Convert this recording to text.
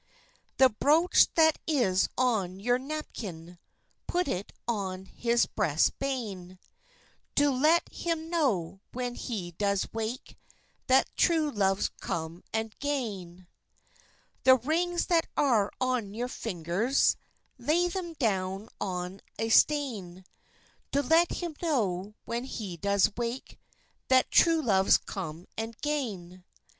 "The broach that is on your napkin, Put it on his breast bane, To let him know, when he does wake, That's true love's come and gane. "The rings that are on your fingers, Lay them down on a stane, To let him know, when he does wake, That's true love's come and gane.